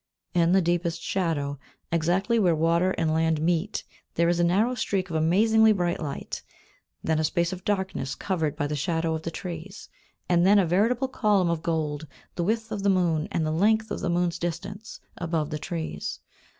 In the deepest shadow, exactly where water and land meet, there is a narrow streak of amazingly bright light; then a space of darkness, covered by the shadow of the trees, and then a veritable column of gold, the width of the moon, and the length of the moon's distance above the trees.